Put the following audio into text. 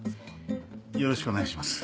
よろしくお願いします。